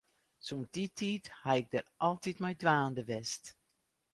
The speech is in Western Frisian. Sûnt dy tiid ha ik dêr altyd mei dwaande west.